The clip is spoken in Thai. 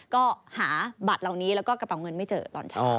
ก็หาบัตรเหล่านี้แล้วก็กระเป๋าเงินไม่เจอตอนเช้า